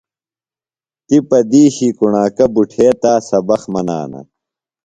تی پہ دِیشی کُݨاکہ بُٹھے تا سبق منانہ۔